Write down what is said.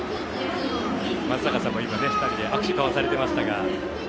松坂さんも握手を交わされていましたね。